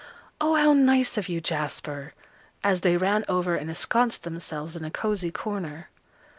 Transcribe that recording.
"Oh, how nice of you, Jasper," as they ran over and ensconced themselves in a cosey corner.